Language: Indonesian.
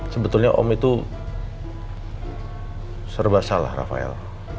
sebetulnya om itu serba salah rafael